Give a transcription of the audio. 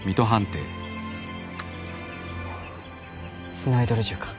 スナイドル銃か。